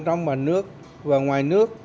trong và nước và ngoài nước